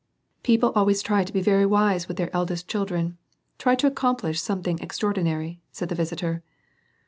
"People always try to be very wise with their eldest children, — try to accomplish something extraordinary," said the visitor.